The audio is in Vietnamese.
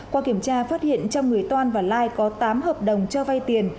qua kiểm tra phát hiện trong người toan và lai có tám hợp đồng cho vay tiền